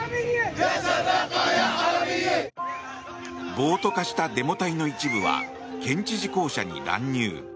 暴徒化したデモ隊の一部は県知事公舎に乱入。